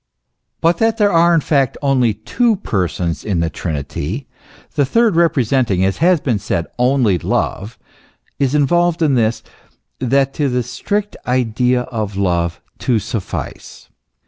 But that there are in fact only two Persons in the Trinity, the third representing, as has heen said, only love, is involved in this, that to the strict idea of love two suffice.